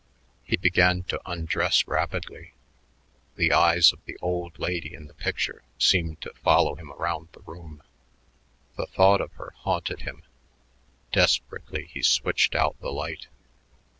He began to undress rapidly. The eyes of the "old lady" in the picture seemed to follow him around the room. The thought of her haunted him. Desperately, he switched out the light.